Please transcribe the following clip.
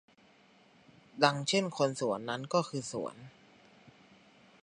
ดังเช่นคนสวนนั้นก็คือสวน